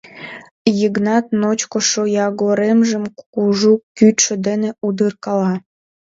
— Йыгнат ночко шоягоремжым кужу кӱчшӧ дене удыркала.